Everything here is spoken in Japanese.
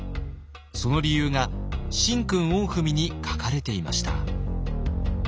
その理由が「神君御文」に書かれていました。